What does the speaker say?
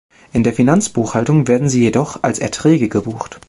In der Finanzbuchhaltung werden sie jedoch als Erträge gebucht.